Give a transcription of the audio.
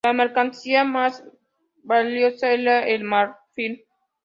La mercancía más valiosa era el marfil.